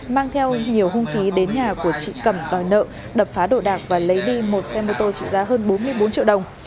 mang theo nhiều hung khí đến nhà của chị cẩm đòi nợ đập phá đồ đạc và lấy đi một xe mô tô trị giá hơn bốn mươi bốn triệu đồng